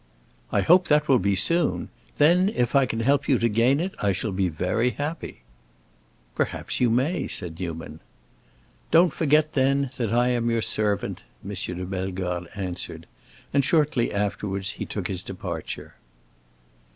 "I hope that will be soon! Then, if I can help you to gain it, I shall be happy." "Perhaps you may," said Newman. "Don't forget, then, that I am your servant," M. de Bellegarde answered; and shortly afterwards he took his departure.